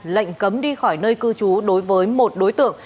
lệnh cấm đi khỏi nơi cư trú đối với một đối tượng